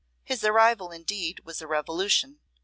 His arrival indeed, was a revolution.